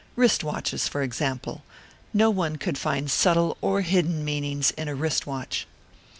Wrist watches, for example. No one could find subtle or hidden meanings in a wrist watch.